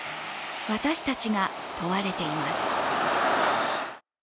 私たちが問われています。